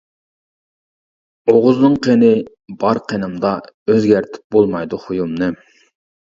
ئوغۇزنىڭ قېنى بار قېنىمدا، ئۆزگەرتىپ بولمايدۇ خۇيۇمنى.